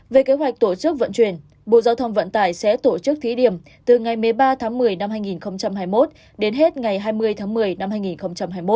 về kế hoạch tổ chức vận chuyển bộ giao thông vận tải sẽ tổ chức thí điểm từ ngày một mươi ba tháng một mươi năm hai nghìn hai mươi một đến hết ngày hai mươi tháng một mươi năm hai nghìn hai mươi một